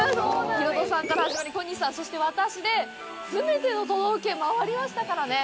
ヒロドさんから始まり、小西さん、そして私で全ての都道府県を回りましたからね。